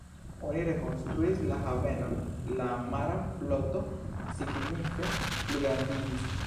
Oni rekonstruis la havenon, la mara floto signife pligrandigis.